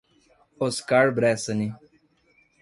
Oscar Bressane